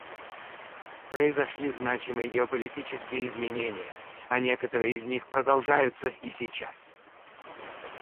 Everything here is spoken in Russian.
Произошли значимые геополитические изменения, а некоторые из них продолжаются и сейчас.